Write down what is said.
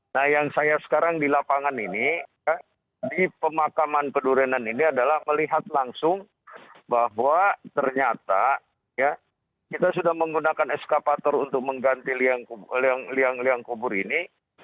nah yang saya sekarang di lapangan ini di pemakaman pedurenan ini adalah melihat langsung bahwa ternyata kita sudah menggunakan eskapator untuk mengganti liang liang kubur ini